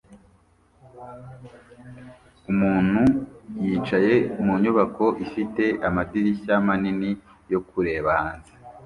Umuntu yicaye mu nyubako ifite amadirishya manini yo kureba hanze